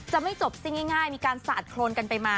ไม่จบสิ้นง่ายมีการสาดโครนกันไปมา